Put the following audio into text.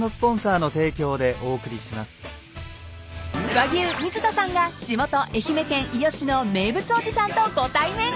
［和牛水田さんが地元愛媛県伊予市の名物おじさんとご対面］